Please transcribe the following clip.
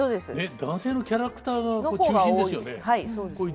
男性のキャラクターが中心ですよね。